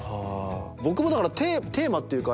僕もだからテーマっていうか。